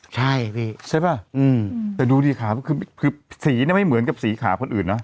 ใช่พี่ใช่ป่ะแต่ดูดิขาคือสีเนี่ยไม่เหมือนกับสีขาคนอื่นนะ